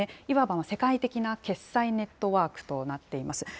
いわば世界的な決済ネットワークとなっています。